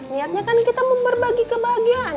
niatnya kan kita berbagi kebahagiaan